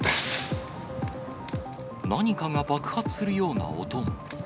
何かが爆発するような音も。